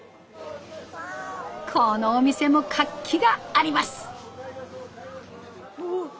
このお店も活気があります！